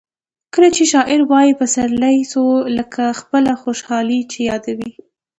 کله چي شاعر وايي پسرلی سو؛ لکه خپله خوشحالي چي یادوي.